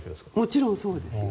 もちろんそうです。